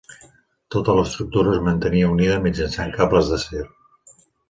Tota l'estructura es mantenia unida mitjançant cables d'acer.